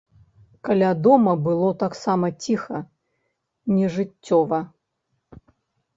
Каля дома было таксама ціха, нежыццёва.